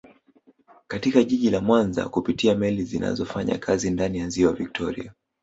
Katika jiji la Mwanza kupitia meli zinazofanya kazi ndani ya ziwa viktoria